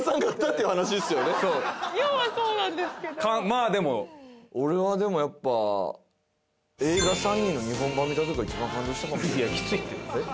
要はそうなんですけどまあでも俺はでもやっぱ映画「ＳＵＮＮＹ」の日本版見た時が一番感動したかもいやキツいってえっ？